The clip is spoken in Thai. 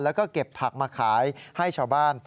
แล้วก็เก็บผักมาขายให้ชาวบ้าน